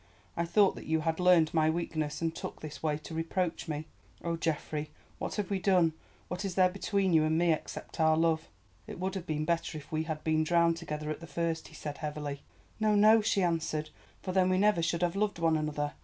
I thought that you had learned my weakness and took this way to reproach me. Oh, Geoffrey, what have we done? What is there between you and me—except our love?" "It would have been better if we had been drowned together at the first," he said heavily. "No, no," she answered, "for then we never should have loved one another.